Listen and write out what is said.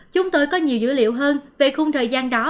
chúng tôi có nhiều dữ liệu hơn về khung thời gian đó